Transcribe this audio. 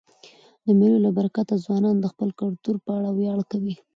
د مېلو له برکته ځوانان د خپل کلتور په اړه ویاړ کوي.